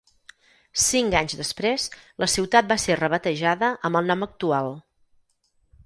Cinc anys després, la ciutat va ser rebatejada amb el nom actual.